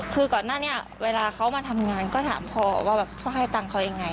คือก่อนหน้านี้เวลาเขามาทำงานก็ถามพ่อว่าแบบพ่อให้ตังค์เขายังไง